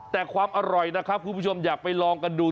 แต่ความอร่อยนะครับคุณผู้ชมอยากไปลองกันดู